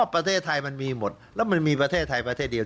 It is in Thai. ประเทศไทยมันมีหมดแล้วมันมีประเทศไทยประเทศเดียว